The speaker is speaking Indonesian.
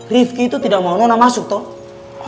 rifki itu tidak mau nona masuk tuh